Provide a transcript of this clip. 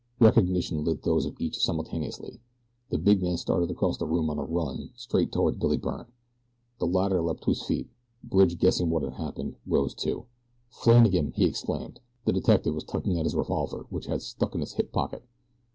Recognition lit those of each simultaneously. The big man started across the room on a run, straight toward Billy Byrne. The latter leaped to his feet. Bridge, guessing what had happened, rose too. "Flannagan!" he exclaimed. The detective was tugging at his revolver, which had stuck in his hip pocket.